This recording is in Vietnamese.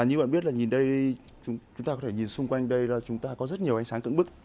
như bạn biết là nhìn đây chúng ta có thể nhìn xung quanh đây là chúng ta có rất nhiều ánh sáng cững bức